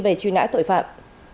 về truy nãi tội phạm